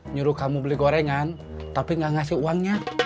nyuruh kamu beli gorengan tapi gak ngasih uangnya